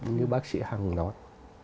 như bác sĩ hằng nói